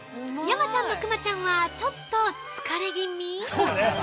山ちゃんのクマちゃんは、ちょっと疲れぎみ？